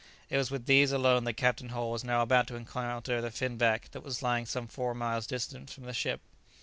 It was with these alone that Captain Hull was now about to encounter the finback that was lying some four miles distant from his ship.